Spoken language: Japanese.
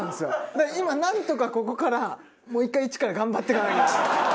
だから今なんとかここからもう１回一から頑張っていかなきゃいけない。